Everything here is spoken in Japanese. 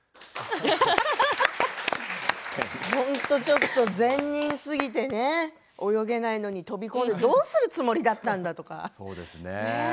本当ちょっと善人すぎて泳げないのに飛び込んでどうするつもりだったんだとか。